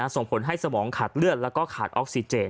ส่งผลให้สมองขาดเลือดแล้วก็ขาดออกซิเจน